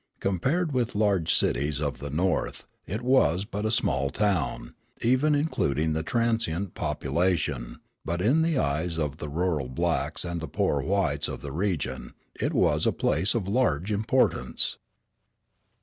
Compared with large cities of the North, it was but a small town, even including the transient population, but in the eyes of the rural blacks and the poor whites of the region, it was a place of large importance.